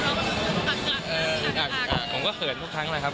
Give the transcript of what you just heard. อ่ะผมก็เกินทุกครั้งแล้วครับ